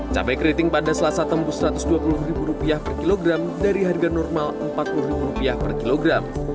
cabai keriting pada selasa tembus rp satu ratus dua puluh per kilogram dari harga normal rp empat puluh per kilogram